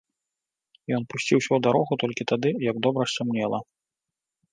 Ён пусціўся ў дарогу толькі тады, як добра сцямнела.